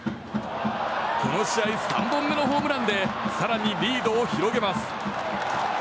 この試合、３本目のホームランで更にリードを広げます。